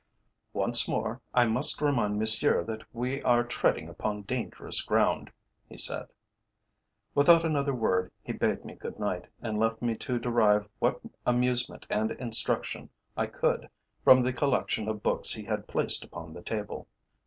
"Once more I must remind Monsieur that we are treading upon dangerous ground," he said. Without another word he bade me good night, and left me to derive what amusement and instruction I could from the collection of books he had placed upon the table.